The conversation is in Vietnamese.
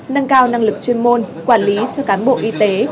nâng cao năng lực chuyên môn quản lý cho cán bộ y tế